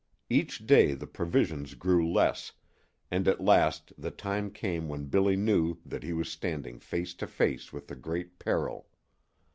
Each day the provisions grew less, and at last the time came when Billy knew that he was standing face to face with the Great Peril.